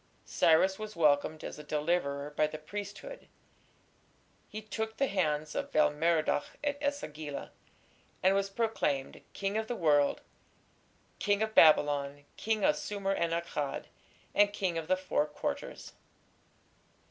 Cyrus was welcomed as a deliverer by the priesthood. He "took the hands" of Bel Merodach at E sagila, and was proclaimed "King of the world, King of Babylon, King of Sumer and Akkad, and King of the Four Quarters".